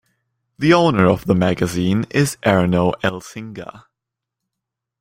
The owner of the magazine is Erno Elsinga.